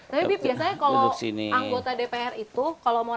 tapi bib biasanya kalau anggota dpr itu kalau mau rapat nih mbak bib kan udah bener bener